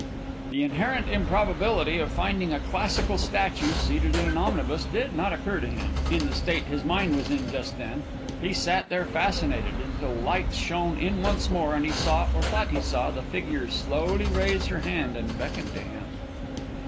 The inherent improbability of finding a classical statue seated in an omnibus did not occur to him, in the state his mind was in just then. He sat there fascinated, until lights shone in once more, and he saw, or thought he saw, the figure slowly raise her hand and beckon to him.